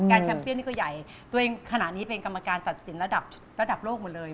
แกนแชมพ์เบี้ยนนี่ก็ใหญ่ตัวเองขนาดนี้เป็นกรรมการตัดสินระดับโลกหมดเลย